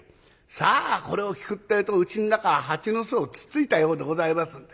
さあこれを聞くってえとうちん中は蜂の巣をつついたようでございますんで。